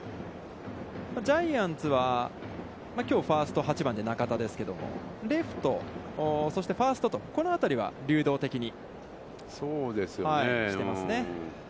ジャイアンツはきょう、ファースト８番で中田ですけれども、レフト、そしてファーストと、このあたりは流動的に。